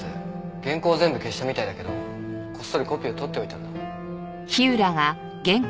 原稿を全部消したみたいだけどこっそりコピーを取っておいたんだ。